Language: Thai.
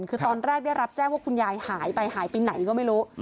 คือตอนแรกได้รับแจ้งว่าคุณยายหายไปหายไปไหนก็ไม่รู้